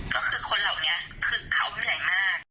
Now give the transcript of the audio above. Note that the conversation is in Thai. ก็คือคนเหล่านี้คือเขาเหนื่อยมาก